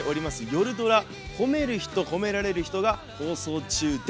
夜ドラ「褒めるひと褒められるひと」が放送中です。